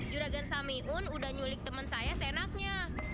juragan samiun sudah nyulik teman saya senaknya